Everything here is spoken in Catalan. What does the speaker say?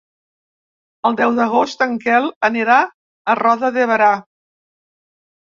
El deu d'agost en Quel anirà a Roda de Berà.